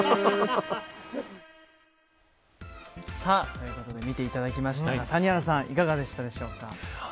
ということで見ていただきましたが谷原さんいかがでしたでしょうか。